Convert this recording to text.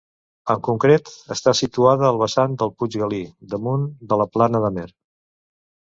En concret, és situada al vessant del puig Galí, damunt de la plana d'Amer.